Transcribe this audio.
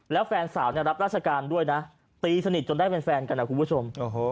แล้วแฟนสาวรับราชการด้วยนะตีสนิทจนได้เป็นแฟนกันนะคุณผู้ชม